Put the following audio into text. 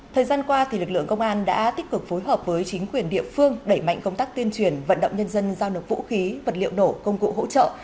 thời gian qua lực lượng công an đã tích cực phối hợp với chính quyền địa phương đẩy mạnh công tác tuyên truyền vận động nhân dân giao nộp vũ khí vật liệu nổ công cụ hỗ trợ